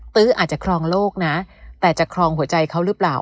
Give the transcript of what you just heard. ตื้ออาจจะครองโลกนะแต่จะครองหัวใจเขาหรือเปล่า